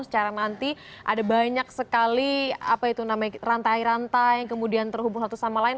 secara nanti ada banyak sekali rantai rantai yang kemudian terhubung satu sama lain